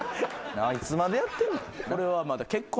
いつまでやってんねん。